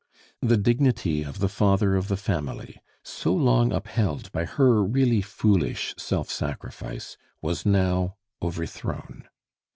The dignity of the father of the family, so long upheld by her really foolish self sacrifice, was now overthrown.